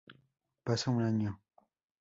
Pasa un año.